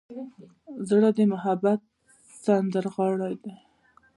زړه د محبت سندرغاړی دی.